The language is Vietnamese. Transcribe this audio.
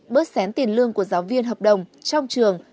bớt xén tiền lương của giáo viên hợp đồng trong trường